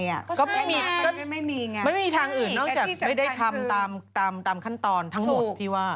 เขาใช่ไงไม่มีอย่างงั้นใช่แต่ที่สำคัญคือไม่มีทางอื่นนอกจากไม่ได้ทำตามขั้นตอนทั้งหมดพี่ว่า